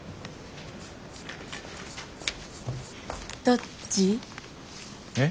どっち？え？